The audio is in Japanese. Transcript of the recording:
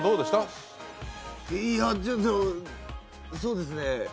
いやそうですね